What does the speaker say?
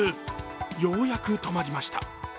ようやく止まりました。